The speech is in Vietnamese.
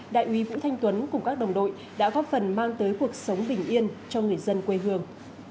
đại úy vũ thanh tuấn cùng các đồng đội đã góp phần mang tới cuộc sống bình yên cho người dân quê hương